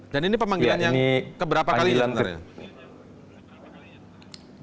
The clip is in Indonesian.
dan ini pemanggilan yang keberapa kali sebenarnya